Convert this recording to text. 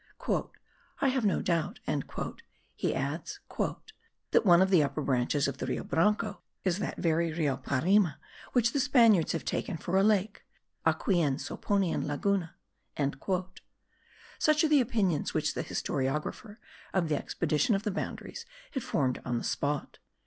"I have no doubt," he adds, "that one of the upper branches of the Rio Branco is that very Rio Parima which the Spaniards have taken for a lake (a quien suponian laguna)." Such are the opinions which the historiographer of the Expedition of the Boundaries had formed on the spot.